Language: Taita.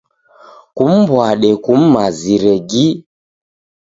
Kum'mbwade kum'mazire gi.